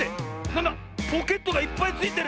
なんだポケットがいっぱいついてる！